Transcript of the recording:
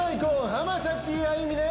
浜崎あゆみで